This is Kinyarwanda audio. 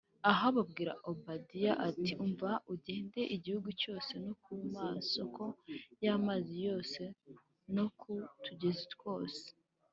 Ahabu abwira Obadiya ati “Umva, ugende igihugu cyose no ku masōko y’amazi yose no ku tugezi twose”